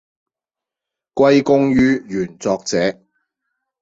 歸功於原作者